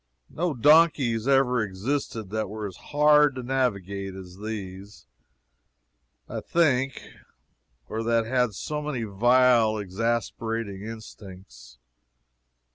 No donkeys ever existed that were as hard to navigate as these, I think, or that had so many vile, exasperating instincts.